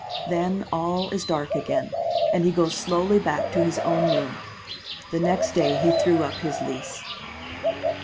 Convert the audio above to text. Then all is dark again, and he goes slowly back to his own room. The next day he threw up his lease.